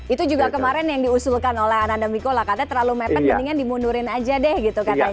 itu juga kemarin yang diusulkan oleh ananda mikola katanya terlalu mepet mendingan dimundurin aja deh gitu katanya